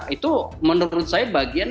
itu menurut saya bagian